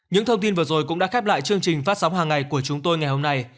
những thông tin vừa rồi cũng đã khép lại chương trình phát sóng hàng ngày của chúng tôi ngày hôm nay